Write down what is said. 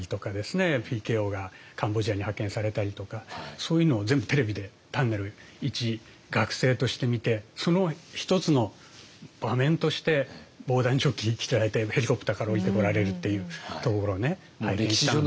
そういうのを全部テレビで単なる一学生として見てその一つの場面として防弾チョッキ着てられてヘリコプターから降りてこられるっていうところをね拝見したので。